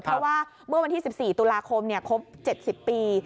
เพราะว่าเมื่อวันที่๑๔ตุลาคมครบ๗๐ปี